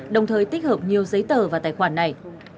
đồng thời tích hợp nhiều giấy tờ và tài khoản này